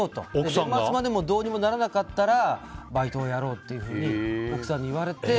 年末までどうにもならなかったらバイトをやろうっていうふうに奥さんに言われて。